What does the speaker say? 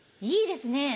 いいですね。